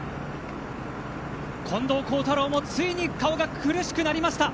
近藤幸太郎もついに顔が苦しくなりました。